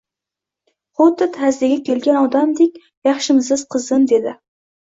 Xuddi ta’ziyaga kelgan odamdek, Yaxshimisiz, qizim, dedi